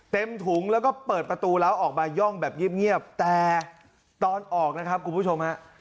ถุงแล้วก็เปิดประตูแล้วออกมาย่องแบบเงียบแต่ตอนออกนะครับคุณผู้ชมฮะ